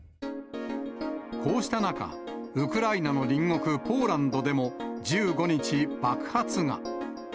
こうした中、ウクライナの隣国ポーランドでも、１５日、爆発が。